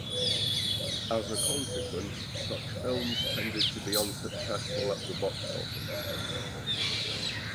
As a consequence, such films tended to be unsuccessful at the box office.